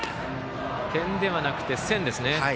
点ではなくて線ですね。